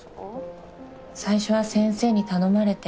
最初は先生に頼まれて。